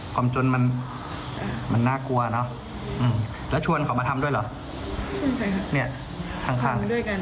เคยทำไปรักษา